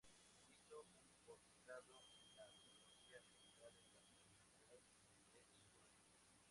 Hizo un post grado en psicología ambiental en la Universidad de Surrey.